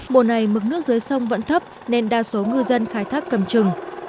mùa này mức nước dưới sông vẫn thấp nên đa số ngư dân khai thác cầm trừng